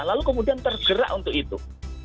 lalu kemudian tergerak untuk itu